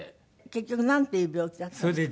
結局なんていう病気だったんですか？